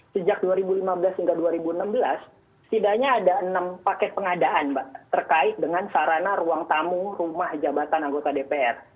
sejak dua ribu lima belas hingga dua ribu enam belas setidaknya ada enam paket pengadaan mbak terkait dengan sarana ruang tamu rumah jabatan anggota dpr